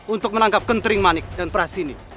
untuk menangkap kentering manik dan prasini